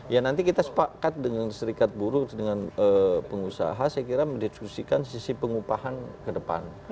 ya nanti kita sepakat dengan serikat buruh dengan pengusaha saya kira mendiskusikan sisi pengupahan ke depan